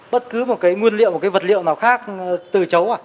bất cứ một cái nguyên liệu một cái vật liệu nào khác từ chấu à